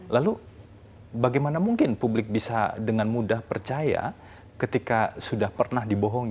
lalu bagaimana mungkin publik bisa dengan mudah percaya ketika sudah pernah dibohongi